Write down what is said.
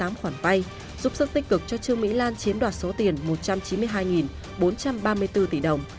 giúp sức tích cực cho trương mỹ lan chiếm đoạt số tiền một trăm chín mươi hai bốn trăm ba mươi bốn tỷ đồng